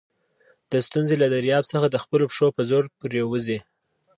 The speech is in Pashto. د ستونزي له دریاب څخه د خپلو پښو په زور پورېوځئ!